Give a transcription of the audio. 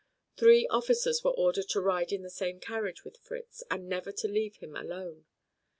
Three officers were ordered to ride in the same carriage with Fritz, and never to leave him alone.